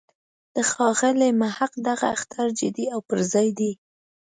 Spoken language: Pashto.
د ښاغلي محق دغه اخطار جدی او پر ځای دی.